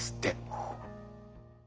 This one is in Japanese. ほう。